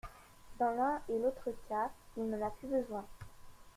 Dans l'un et l'autre cas, il n'en a plus besoin.